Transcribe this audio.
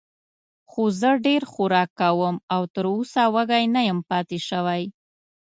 خو زه ډېر خوراک کوم او تراوسه وږی نه یم پاتې شوی.